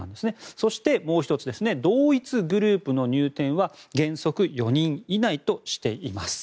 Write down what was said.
そして、もう１つ同一グループの入店は原則４人以内としています。